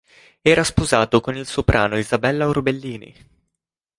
Era sposato con il soprano Isabella Orbellini.